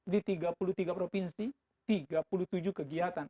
di tiga puluh tiga provinsi tiga puluh tujuh kegiatan